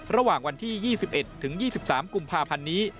ระหว่างวันที่๒๑๒๓กุมภาพันธ์นี้